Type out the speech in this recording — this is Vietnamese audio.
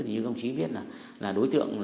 như công chí biết là đối tượng